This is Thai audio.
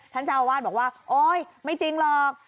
ท่านเจ้าอาวาสบอกว่าโอ๊ยไม่จริงหรอก